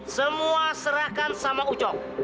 semua serahkan sama ucok